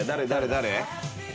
誰？